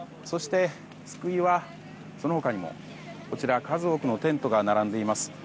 そして、救いはその他にも数多くのテントが並んでいます。